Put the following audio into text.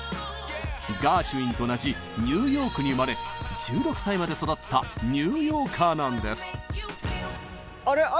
ガーシュウィンと同じニューヨークに生まれ１６歳まで育ったニューヨーカーなんです！